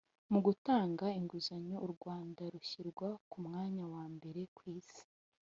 Mu gutanga inguzanyo u Rwanda rushyirwa ku mwanya wa mbere ku isi